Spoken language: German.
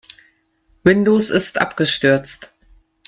Windows ist abgestürzt.